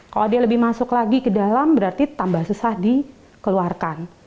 kalau dia lebih masuk lagi ke dalam berarti tambah susah dikeluarkan